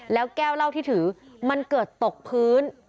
แล้วแก้วเหล้าที่ถือมันเกิดตกพื้น